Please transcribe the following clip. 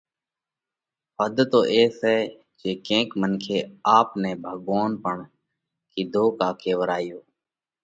حڌ تو اي سئہ جي ڪينڪ منکي آپ نئہ ڀڳوونَ پڻ ڪِيڌو ڪا ڪيوَرايو۔